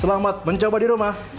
selamat mencoba di rumah